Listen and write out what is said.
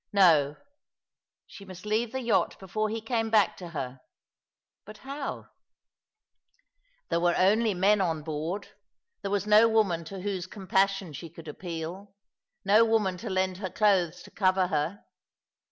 No, she must leave the yacht before he came back to her, But how ? 314 ^^^^ along the Paver. There were only men on board. There was no woman to whose compassion she could appeal, no woman to lend her clothes to cover her.